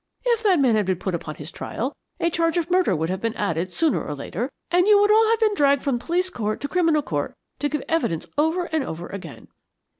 If that man had been put upon his trial, a charge of murder would have been added sooner or later, and you would have all been dragged from police court to criminal court to give evidence over and over again.